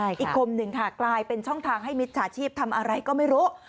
อีกคมหนึ่งค่ะกลายเป็นช่องทางให้มิจฉาชีพทำอะไรก็ไม่รู้